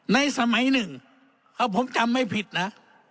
ในสมัยหนึ่งถ้าผมจำไม่ผิดนะ